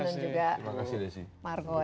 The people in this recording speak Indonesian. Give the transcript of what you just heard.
alan dan juga marco ya